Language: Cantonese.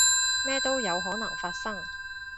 咩都有可能發生